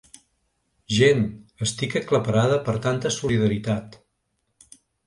Gent, estic aclaparada per tanta solidaritat.